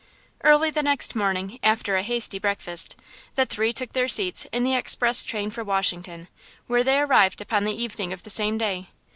Early the next morning, after a hasty breakfast, the three took their seats in the express train for Washington, where they arrived upon the evening of the same day.